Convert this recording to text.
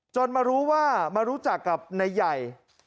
มารู้ว่ามารู้จักกับนายใหญ่